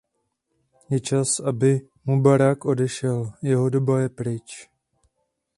Je čas, aby Mubarak odešel; jeho doba je pryč.